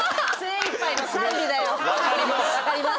わかります。